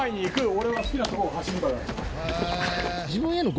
俺は好きなとこを走るから。